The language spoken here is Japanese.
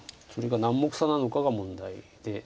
それが何目差なのかが問題で。